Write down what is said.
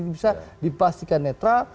bisa dipastikan netral